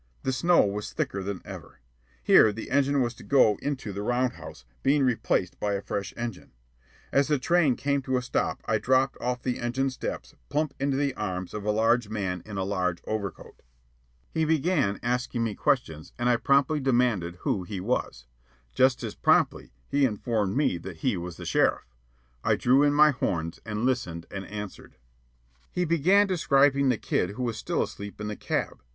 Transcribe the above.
The snow was thicker than ever. Here the engine was to go into the round house, being replaced by a fresh engine. As the train came to a stop, I dropped off the engine steps plump into the arms of a large man in a large overcoat. He began asking me questions, and I promptly demanded who he was. Just as promptly he informed me that he was the sheriff. I drew in my horns and listened and answered. He began describing the kid who was still asleep in the cab.